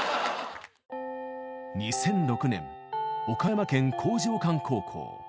２００６年、岡山県興譲館高校。